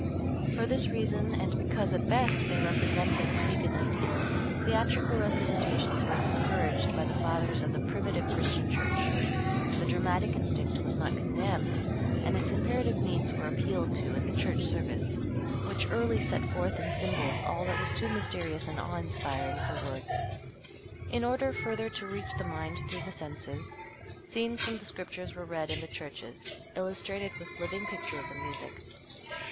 For this reason and because at best they represented pagan ideals, theatrical representations were discouraged by the fathers of the primitive Christian Church. The dramatic instinct was not condemned, and its imperative needs were appealed to in the church service, which early set forth in symbols all that was too mysterious and awe inspiring for words. In order further to reach the mind through the senses, scenes from the Scriptures were read in the churches, illustrated with living pictures and music.